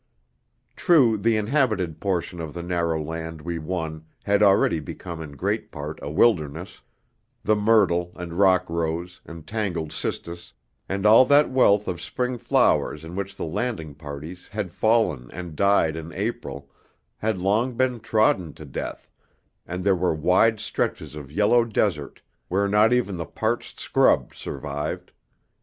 True, the inhabited portion of the narrow land we won had already become in great part a wilderness; the myrtle, and rock rose, and tangled cistus, and all that wealth of spring flowers in which the landing parties had fallen and died in April, had long been trodden to death, and there were wide stretches of yellow desert where not even the parched scrub survived.